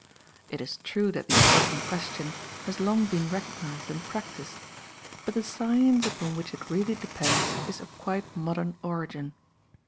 It is true that the art in question has long been recognized and practiced, but the science upon which it really depends is of quite modern origin.